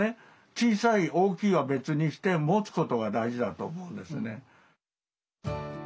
小さい大きいは別にして持つことが大事だと思うんですね。